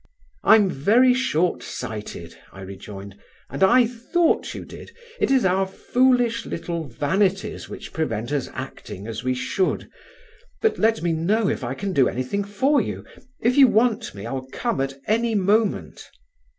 "I'm very shortsighted," I rejoined, "and I thought you did. It is our foolish little vanities which prevent us acting as we should. But let me know if I can do anything for you. If you want me, I'll come at any moment."